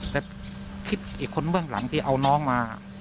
แต่คิดอีกคนเบื้องหลังที่เอาน้องมา